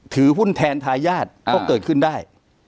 ถือหุ้นแทนทายาทก็เกิดขึ้นได้